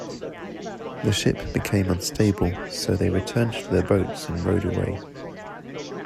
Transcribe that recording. The ship became unstable, so they returned to their boats and rowed away.